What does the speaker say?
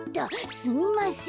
すみません。